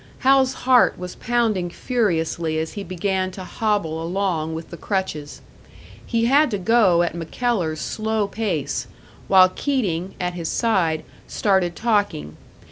Hal's heart was pounding furiously as he began to hobble along with the crutches. He had to go at MacKellar's slow pace while Keating, at his side, started talking.